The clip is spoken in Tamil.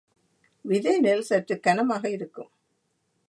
விதை நெல் சற்றுக் கனமாக இருக்கும்.